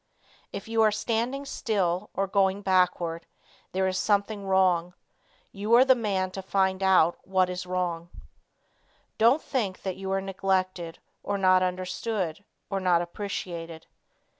If you are standing still, or going backward, there is something wrong. You are the man to find out what is wrong. Don't think that you are neglected, or not understood, or not appreciated.